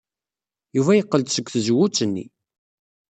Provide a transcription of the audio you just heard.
Yuba yeqqel-d seg tzewwut-nni.